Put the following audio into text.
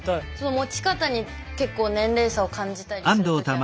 持ち方に結構年齢差を感じたりする時あります。